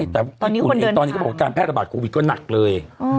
แต่ว่าการแพทย์ระบาดโควิดก็หนักเลย